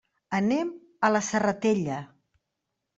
Anem a la Serratella.